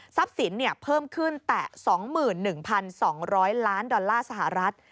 สินเพิ่มขึ้นแต่๒๑๒๐๐ล้านดอลลาร์สหรัฐ